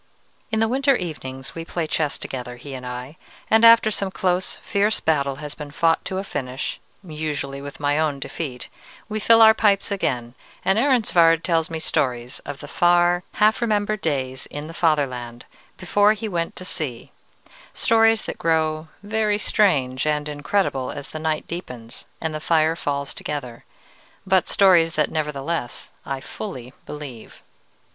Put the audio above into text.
In the winter evenings we play chess together, he and I, and after some close, fierce battle has been fought to a finish usually with my own defeat we fill our pipes again, and Ehrensvärd tells me stories of the far, half remembered days in the fatherland, before he went to sea: stories that grow very strange and incredible as the night deepens and the fire falls together, but stories that, nevertheless, I fully believe.